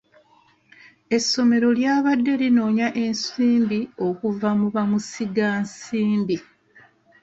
Essomero lyabadde linoonya ensimbi okuva mu bamusiga nsimbi.